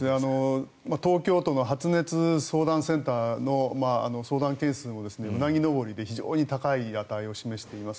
東京都の発熱相談センターの相談件数もうなぎ登りで非常に高い値を示しています。